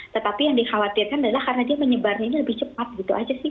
tetapi yang dikhawatirkan adalah karena dia menyebarnya ini lebih cepat gitu aja sih